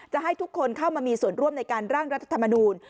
จะให้ทุกคนเข้ามามีส่วนร่วมในการร่างรัฐธรรมนูล